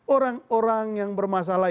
orang orang yang bermasalah